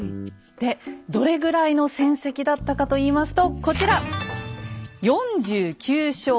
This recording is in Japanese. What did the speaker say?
でどれぐらいの戦績だったかといいますとこちら。